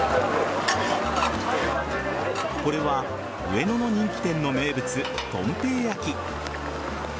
これは上野の人気店の名物・豚平焼き。